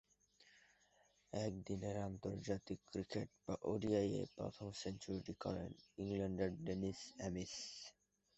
একদিনের আন্তর্জাতিক ক্রিকেট বা ওডিআইয়ে প্রথম সেঞ্চুরিটি করেন ইংল্যান্ডের ডেনিস অ্যামিস।